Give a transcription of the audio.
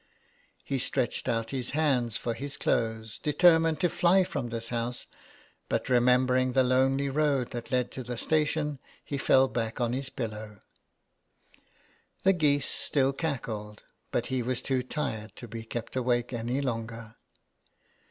He stretched out his hands for his clothes, determined to fly from this house, but re membering the lonely road that led to the station he fell back on his pillow. The geese still cackled, but he was too tired to be kept awake any longer.